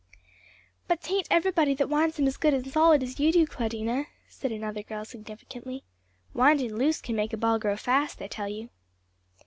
"But 'tain't everybody that winds em as good and solid as you do, Claudina," said another girl significantly; "windin' loose can make a ball grow fast, I tell you!"